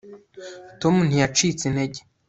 tom ntiyacitse intege